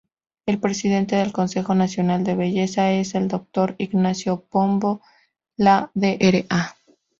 El presidente del Consejo Nacional de Belleza, es el doctor Ignacio Pombo, la Dra.